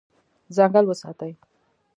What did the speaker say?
ځنګل وساتئ.